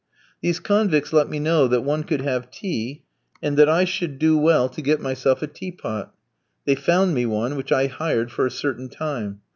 These convicts let me know that one could have tea, and that I should do well to get myself a teapot. They found me one, which I hired for a certain time.